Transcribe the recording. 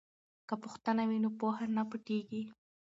که پوښتنه وي نو پوهه نه پټیږي.